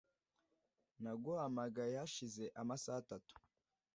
Naguhamagaye hashize amasaha atatu